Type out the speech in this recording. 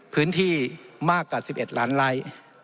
พื้นที่มากกว่า๑๑ล้านไล่